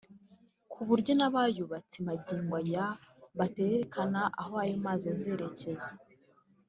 ku buryo n’abayubatse magingo aya baterekana aho ayo mazi azerekeza